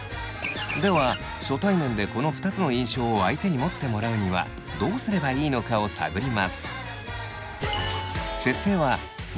では初対面でこの２つの印象を相手に持ってもらうにはどうすればいいのかを探ります。